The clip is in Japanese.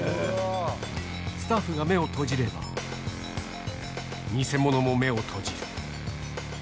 スタッフが目を閉じれば、偽物も目を閉じる。